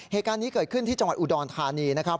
เหตุการณ์นี้เกิดขึ้นที่จังหวัดอุดรธานีนะครับ